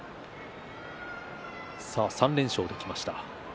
３連勝ときました。